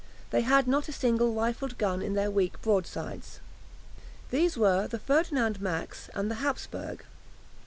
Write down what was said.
They had not a single rifled gun in their weak broadsides. These were the "Ferdinand Max" and the "Hapsburg."